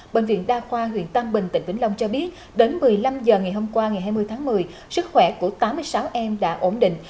bệnh viện đa khoa huyện tam bình tỉnh vĩnh long cho biết đến một mươi năm h ngày hôm qua sức khỏe của tám mươi sáu em đã ổn định